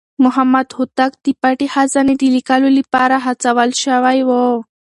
محمد هوتک د پټې خزانې د ليکلو لپاره هڅول شوی و.